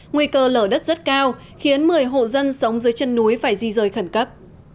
nguy cơ lở đất rất cao khiến một mươi hộ dân sống dưới chân núi phải di rời khẩn cấp